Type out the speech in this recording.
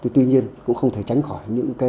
tuy nhiên cũng không thể tránh khỏi